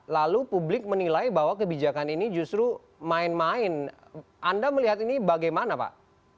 lalu publik menilai bahwa kebijakan ini justru main main anda melihat ini bagaimana pak